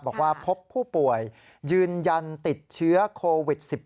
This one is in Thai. บอกว่าพบผู้ป่วยยืนยันติดเชื้อโควิด๑๙